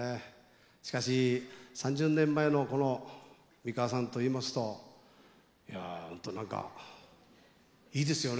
しかし３０年前のこの美川さんといいますといや本当何かいいですよね。